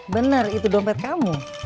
bener itu dompet kamu